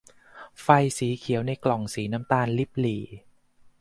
ไฟสีเขียวในกล่องสีน้ำตาลริบหรี่